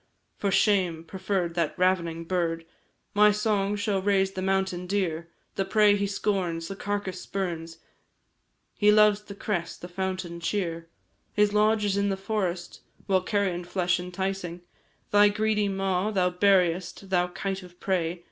For shame! preferr'd that ravening bird! My song shall raise the mountain deer; The prey he scorns, the carcase spurns, He loves the cress, the fountain cheer. His lodge is in the forest; While carion flesh enticing Thy greedy maw, thou buriest Thou kite of prey!